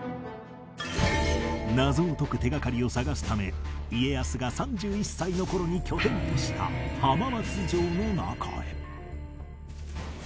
謎を解く手掛かりを探すため家康が３１歳の頃に拠点とした浜松城の中へ